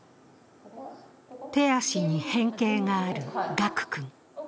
手足に変形がある賀久君。